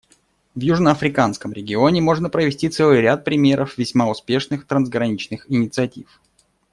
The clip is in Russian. В южноафриканском регионе можно привести целый ряд примеров весьма успешных трансграничных инициатив.